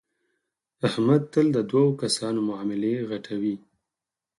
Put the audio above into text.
احمد تل د دو کسانو معاملې غټوي.